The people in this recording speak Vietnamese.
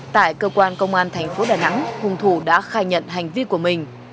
tại cơ quan công an thành phố đà nẵng hùng thủ đã khai nhận hành vi của mình